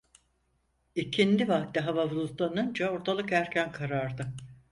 İkindi vakti hava bulutlanınca ortalık erken karardı.